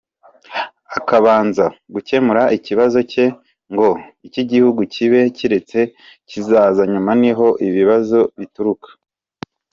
Akabanza gukemura ikibazo cye ngo icy’igihugu kibe kiretse kizaza nyuma. Niho ibibazo bituruka.”